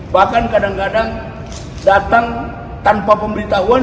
bahkan kadang kadang datang tanpa pemberitahuan